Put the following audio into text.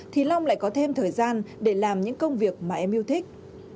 thì long lại có thêm thời gian để làm những công việc mà em yêu thích